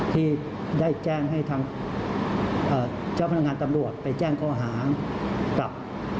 ที่ได้แจ้งให้ทางเจ้าพนักงานตำรวจไปแจ้งข้อหากับ